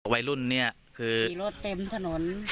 วัยรุ่นเนี่ยคือขี่รถเต็มถนน